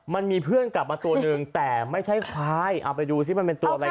มันมีเพื่อนกลับมาตัวหนึ่งแต่ไม่ใช่ควายเอาไปดูสิมันเป็นตัวอะไร